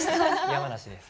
山梨です。